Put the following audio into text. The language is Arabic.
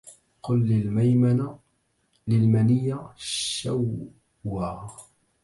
قل للمنية شوى